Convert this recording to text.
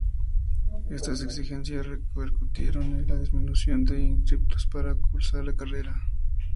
Estas exigencias repercutieron en una disminución de inscriptos para cursar la carrera.